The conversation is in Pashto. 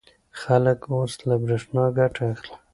خلک اوس له برېښنا ګټه اخلي.